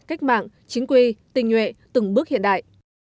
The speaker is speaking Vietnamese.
cách mạng chính quy tình nhuệ từng bước hiện đại